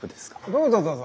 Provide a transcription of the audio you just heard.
どうぞどうぞ。